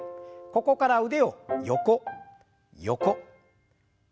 ここから腕を横横前前。